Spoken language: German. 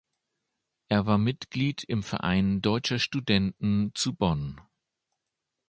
Er war Mitglied im Verein Deutscher Studenten zu Bonn.